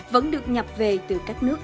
vẫn được nhập về từ các nước